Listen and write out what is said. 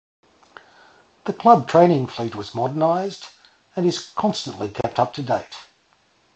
The club training fleet was modernised, and is constantly kept up to date.